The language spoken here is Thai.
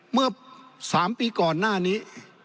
เมื่อ๓ปีก่อนหน้านี้